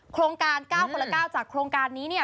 โครงการ๙คนละ๙จากโครงการนี้เนี่ย